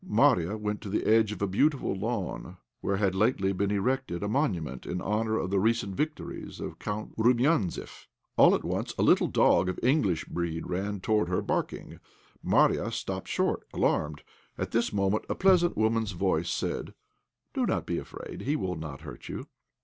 Marya went to the edge of a beautiful lawn, where had lately been erected a monument in honour of the recent victories of Count Roumianzeff. All at once a little dog of English breed ran towards her, barking. Marya stopped short, alarmed. At this moment a pleasant woman's voice said "Do not be afraid; he will not hurt you."